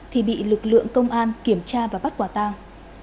thì bị lực lượng công an kiểm tra và bắt quả tang